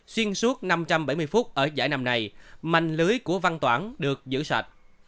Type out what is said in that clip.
xuyên suốt năm trăm bảy mươi phút ở giải năm này mảnh lưới của văn toản được giữ sạch